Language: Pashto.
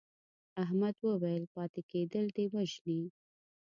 احمد وویل پاتې کېدل دې وژني.